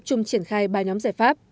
chung triển khai ba nhóm giải pháp